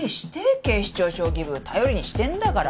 警視庁将棋部頼りにしてるんだから。